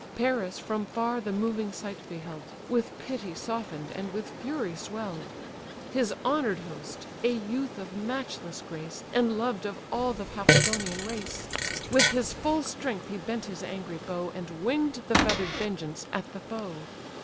Paris from far the moving sight beheld, With pity soften'd and with fury swell'd: His honour'd host, a youth of matchless grace, And loved of all the Paphlagonian race! With his full strength he bent his angry bow, And wing'd the feather'd vengeance at the foe.